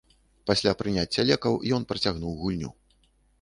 Пасля прыняцця лекаў ён працягнуў гульню.